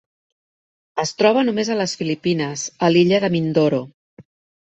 Es troba només a les Filipines, a l'illa de Mindoro.